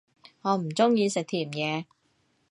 我唔鍾意食甜野